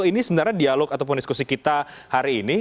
ini sebenarnya dialog ataupun diskusi kita hari ini